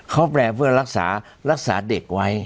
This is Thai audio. เขาแปลเพื่อรักษาเด็กไว้